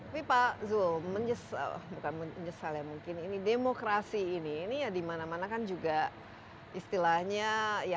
tapi pak zul demokrasi ini dimana mana kan juga istilahnya